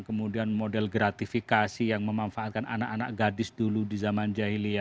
kemudian model gratifikasi yang memanfaatkan anak anak gadis dulu di zaman jahilia